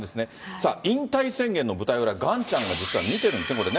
さあ、引退宣言の舞台裏、ガンちゃんが実は見てるんですね、これね。